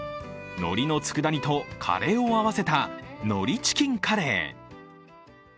のりのつくだ煮とカレーを合わせた海苔チキンカレー。